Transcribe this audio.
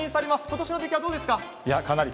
今年の出来はどうですか？